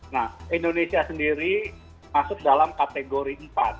nah indonesia sendiri masuk dalam kategori empat